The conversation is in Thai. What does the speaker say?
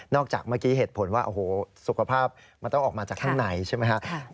จากเมื่อกี้เหตุผลว่าโอ้โหสุขภาพมันต้องออกมาจากข้างในใช่ไหมครับ